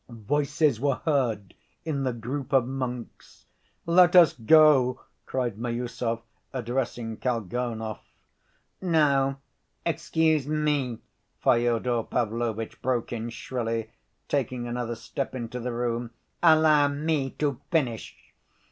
voices were heard in the group of monks. "Let us go," cried Miüsov, addressing Kalganov. "No, excuse me," Fyodor Pavlovitch broke in shrilly, taking another step into the room. "Allow me to finish.